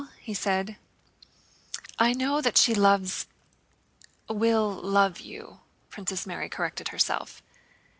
he said. "I know that she loves... will love you," Princess Mary corrected herself.